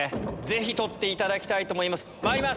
ぜひ取っていただきたいと思います。